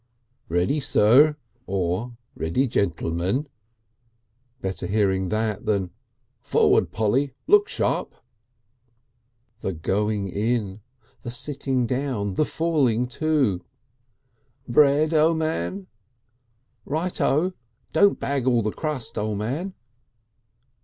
"Ready, Sir!" or "Ready, Gentlemen." Better hearing that than "Forward Polly! look sharp!" The going in! The sitting down! The falling to! "Bread, O' Man?" "Right O! Don't bag all the crust, O' Man."